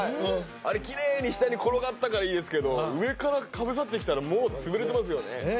あれキレイに下に転がったからいいですけど上からかぶさってきたらもう潰れてますよね